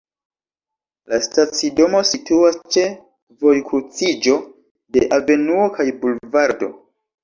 La stacidomo situas ĉe vojkruciĝo de avenuo kaj bulvardo.